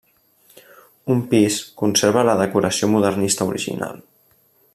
Un pis conserva la decoració modernista original.